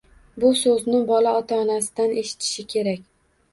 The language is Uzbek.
Bu so‘zni bola ota-onasidan eshitishi kerak.